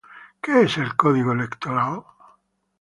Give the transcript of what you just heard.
¿Qué es el Colegio Electoral?